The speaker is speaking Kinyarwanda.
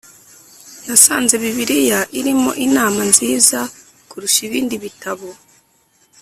nasanze Bibiliya irimo inama nziza kurusha ibindi bitabo